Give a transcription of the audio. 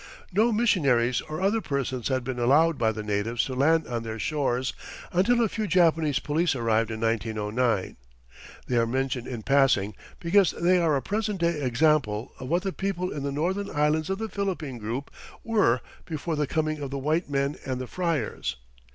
No missionaries or other persons had been allowed by the natives to land on their shores until a few Japanese police arrived in 1909. They are mentioned in passing because they are a present day example of what the people in the northern islands of the Philippine group were before the coming of the white men and the friars.